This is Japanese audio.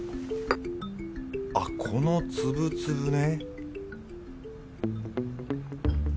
あこの粒々ね